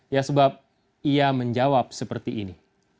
ya sebab ia menjawab seperti ini